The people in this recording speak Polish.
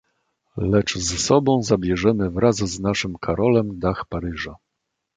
"Lecz z sobą zabierzemy wraz z naszym Karolem, dach Paryża."